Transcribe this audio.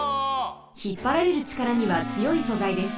ひっぱられるちからにはつよい素材です。